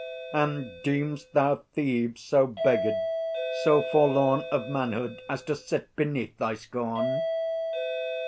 And deem'st thou Thebes so beggared, so forlorn Of manhood, as to sit beneath thy scorn?